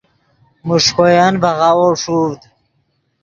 میݰکوین ڤے غاوو ݰوڤد